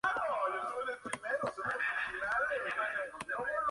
Riffs más pegadizos y contundentes si cabe, marcan cada estribillo, cada estrofa.